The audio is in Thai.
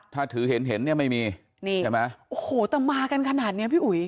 ถ้าถือเห็นไม่มีแต่มากันขนาดนี้พี่อุ๋ย